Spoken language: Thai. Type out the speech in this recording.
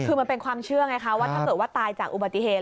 คือมันเป็นความเชื่อไงคะว่าถ้าเกิดว่าตายจากอุบัติเหตุ